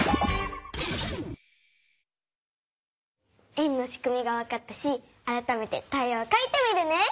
円のしくみがわかったしあらためてタイヤをかいてみるね！